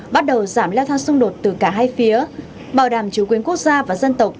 bắt đầu giảm leo thang xung đột từ cả hai phía bảo đảm chủ quyền quốc gia và dân tộc